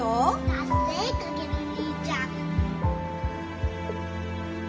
だっせえカケル兄ちゃん